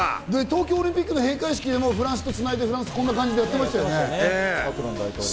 東京オリンピックの閉会式でもフランスとつないで、こんな感じでやってましたよね。